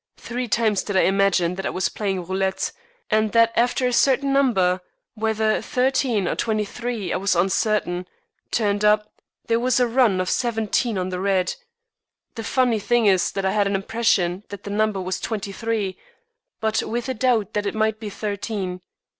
Three times did I imagine that I was playing roulette, and that after a certain number whether thirteen or twenty three I was uncertain turned up, there was a run of seventeen on the red. The funny thing is that I had an impression that the number was twenty three, but with a doubt that it might be thirteen.